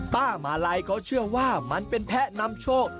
ป้ามาลัยเขาเชื่อว่ามันเป็นแพะนำโชค